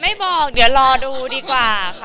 ไม่บอกเดี๋ยวรอดูดีกว่าค่ะ